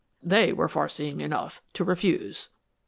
They were far seeing enough to refuse."